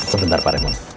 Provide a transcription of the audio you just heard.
sebentar pak remon